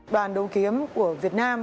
đoàn đấu kiếm của việt nam